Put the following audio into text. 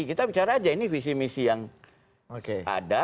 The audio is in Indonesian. kita bicara aja ini visi misi yang ada